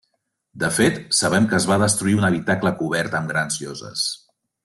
De fet, sabem que es va destruir un habitacle cobert amb grans lloses.